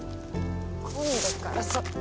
今度からそ。